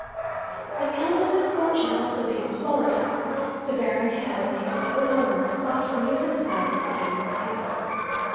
The Countess's fortune also being swallowed up, the Baron has in a fatal moment sought for new supplies at the gaming table.